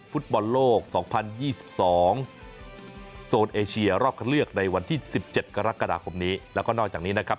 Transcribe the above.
ฟุตบอลโลก๒๐๒๒โซนเอเชียรอบคันเลือกในวันที่๑๗กรกฎาคมนี้แล้วก็นอกจากนี้นะครับ